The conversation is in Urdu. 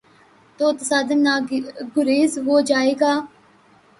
تو تصادم ناگزیر ہو جائے گا۔